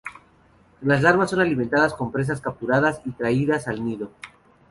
Las larvas son alimentadas con presas capturadas y traídas al nido.